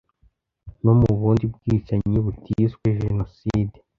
no mu bundi bwicanyi butiswe jenoside.